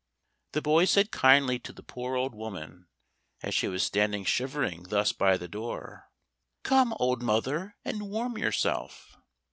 The boy said kindly to the poor old woman as she was standing shivering thus by the door, "Come, old mother, and warm yourself."